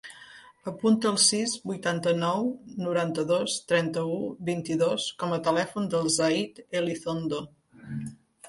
Apunta el sis, vuitanta-nou, noranta-dos, trenta-u, vint-i-dos com a telèfon del Zayd Elizondo.